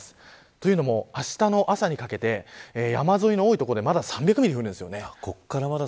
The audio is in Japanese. というのも、あしたの朝にかけて山沿いの多い所でまだ３００ミリ降るんです。